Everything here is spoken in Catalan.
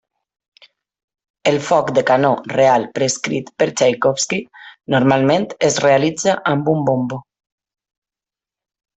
El foc de canó real prescrit per Txaikovski, normalment es realitza amb un bombo.